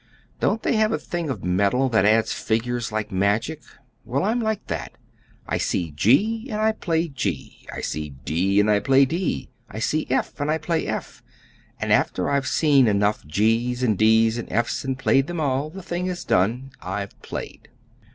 "Don't they have a thing of metal that adds figures like magic? Well, I'm like that. I see g and I play g; I see d and I play d; I see f and I play f; and after I've seen enough g's and d's and f's and played them all, the thing is done. I've played."